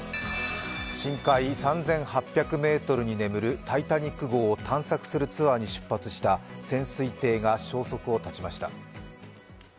深海３８００ｍに眠る「タイタニック」号を探索するツアーに出発した潜水艇が消息を絶ちました。